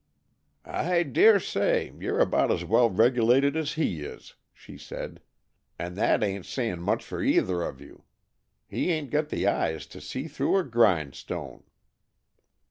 "I dare say you 're about as well regulated as he is," she said, "and that ain't saying much for either of you. He ain't got the eyes to see through a grindstone!"